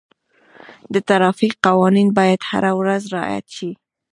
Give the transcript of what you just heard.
د ټرافیک قوانین باید هره ورځ رعایت شي.